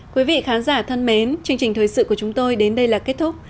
quý vị khán giả thân mến chương trình thời sự của chúng tôi đến đây là kết thúc